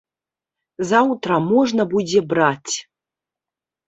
Заўтра можна будзе браць.